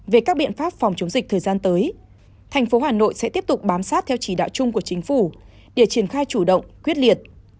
về các biện pháp phòng chống dịch thời gian tới thành phố hà nội sẽ tiếp tục bám sát theo chỉ đạo chung của chính phủ để triển khai chủ động quyết liệt